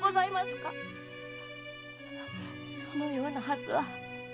そのようなはずは。